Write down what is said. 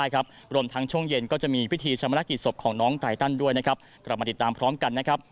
กลับมาติดตามพร้อมกันนะครับ